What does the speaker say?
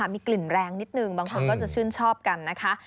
มีกลิ่นแรงนิดนึงบางคนก็จะชื่นชอบกันนะคะ